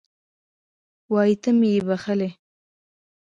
وایي ته مې یې بښلی